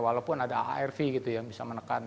walaupun ada arv gitu yang bisa menekan